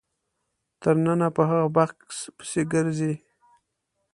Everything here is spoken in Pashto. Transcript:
تر ننه په هغه بکس پسې ګرځي.